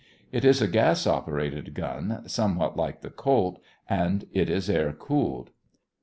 It is a gas operated gun, something like the Colt, and it is air cooled.